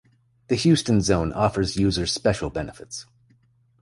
The Houston Zone offers users special benefits.